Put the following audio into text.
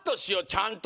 ちゃんと！